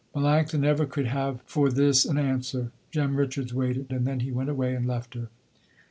Melanctha never could have for this an answer. Jem Richards waited and then he went away and left her.